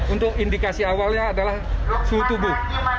untuk indikasi awalnya adalah suhu tubuh